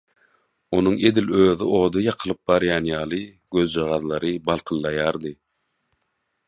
Onuň edil özi oda ýakylyp barýan ýaly gözjagazlary balkyldaýardy.